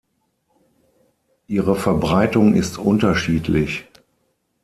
Ihre Verbreitung ist unterschiedlich.